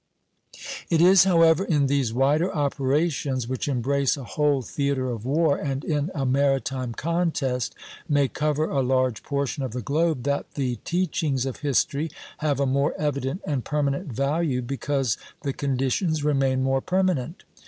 It is however in these wider operations, which embrace a whole theatre of war, and in a maritime contest may cover a large portion of the globe, that the teachings of history have a more evident and permanent value, because the conditions remain more permanent.